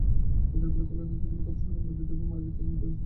মাদারীপুরের কালকিনি উপজেলায় গত শনিবার নদীতে ডুবে এক তরুণের মৃত্যু হয়েছে।